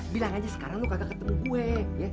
bilang aja sekarang lo kagak ketemu gue ya